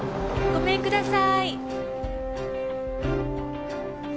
ごめんください。